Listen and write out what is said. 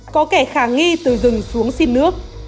có kẻ khả nghi từ rừng xuống xin nước